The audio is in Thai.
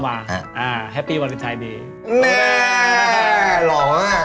อ่าแฮปปี้วาเลนไทยดีแม่หล่อมาก